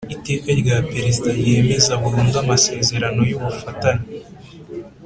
Iteka rya Perezida ryemeza burundu amasezerano y’ubufatanye